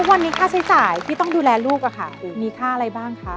วันนี้ค่าใช้จ่ายที่ต้องดูแลลูกมีค่าอะไรบ้างคะ